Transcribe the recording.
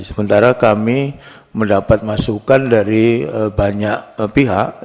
sementara kami mendapat masukan dari banyak pihak